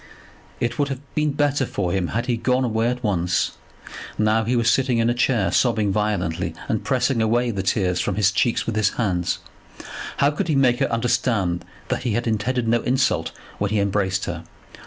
It would have been better for him had he gone away at once. Now he was sitting in a chair, sobbing violently, and pressing away the tears from his cheeks with his hands. How could he make her understand that he had intended no insult when he embraced her?